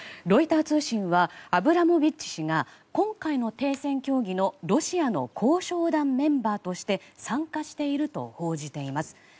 ロイター通信はアブラモビッチ氏が今回の停戦協議のロシアの交渉団メンバーとして参加していると報じています。